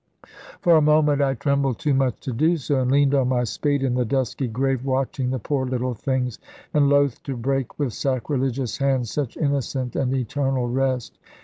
For a moment I trembled too much to do so, and leaned on my spade in the dusky grave, watching the poor little things, and loath to break with sacrilegious hands such innocent and eternal rest.